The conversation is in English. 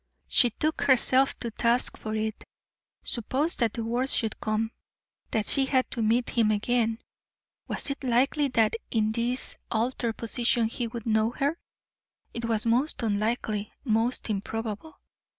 She took herself to task for it. Suppose that the worst should come, that she had to meet him again! Was it likely that in this altered position he would know her? It was most unlikely, most improbable.